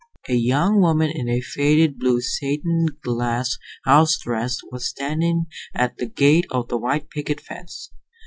A young woman in a faded blue satin glass house dress was standing at the gate of the white picket fence.